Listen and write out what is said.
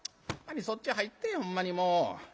そっち入ってほんまにもう。